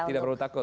tidak perlu takut